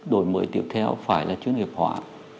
đổi mới tiếp theo phải là chuyên nghiệp họa